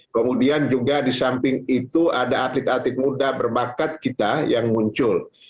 kemudian juga di samping itu ada atlet atlet muda berbakat kita yang muncul